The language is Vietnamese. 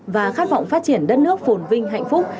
và khát vọng phát triển đất nước phồn vinh hạnh phúc